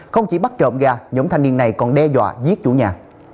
không chỉ bắt trộm ga nhóm thanh niên này còn đe dọa giết chủ nhà